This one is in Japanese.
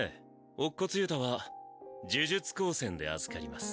乙骨憂太は呪術高専で預かります。